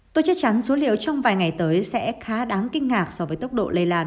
tôi chắc chắn số liệu trong vài ngày tới sẽ khá đáng kinh ngạc so với tốc độ lây lan